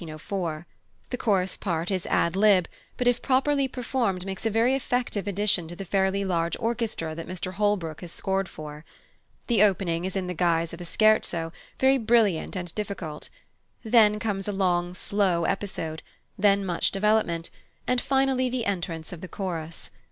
The chorus part is ad lib., but if properly performed makes a very effective addition to the fairly large orchestra that Mr Holbrooke has scored for. The opening is in the guise of a scherzo, very brilliant and difficult; then comes a long slow episode; then much development; and finally the entrance of the chorus.